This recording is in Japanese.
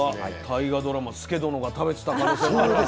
大河ドラマ佐殿が食べてた可能性があるわけ？